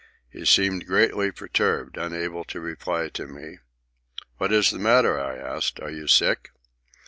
He seemed greatly perturbed, unable to reply to me. "What's the matter?" I asked. "Are you sick?"